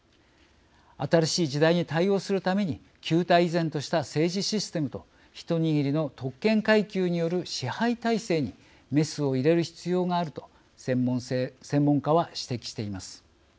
新しい時代に対応するために旧態依然とした政治システムと一握りの特権階級による支配体制にメスを入れる必要があると専門家は指摘しています。